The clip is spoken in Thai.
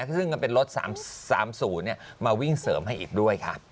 ซึ่งมันเป็นรถ๓๐มาวิ่งเสริมให้อีกด้วยค่ะ